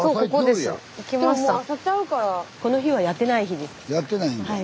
この日はやってない日です。